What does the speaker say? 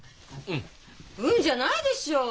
「うん」じゃないでしょう！